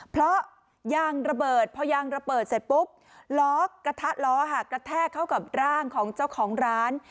เพราะยางระเบิดพอยางระเบิดเสร็จปุ๊บล้อกระทะล้อค่ะกระแทกเข้ากับร่างของเจ้าของร้าน